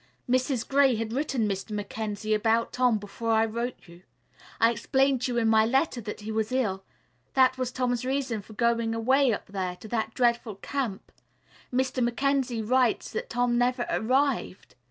"Mrs. Gray had written Mr. Mackenzie about Tom before I wrote you. I explained to you in my letter that he was ill. That was Tom's reason for going away up there to that dreadful camp. Mr. Mackenzie writes that Tom never arrived.